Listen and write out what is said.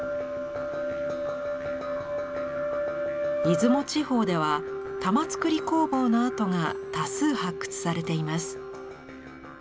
出雲地方では玉作り工房の跡が多数発掘されています。